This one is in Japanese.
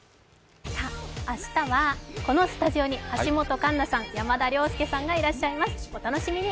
明日はこのスタジオに橋本環奈さん、山田涼介さんがいらっしゃいます。